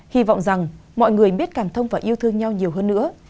hy vọng rằng mọi người biết cảm thông và yêu thương nhau nhiều hơn nữa